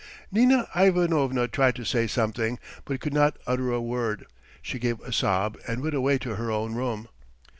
Nina Ivanovna tried to say something, but could not utter a word; she gave a sob and went away to her own room.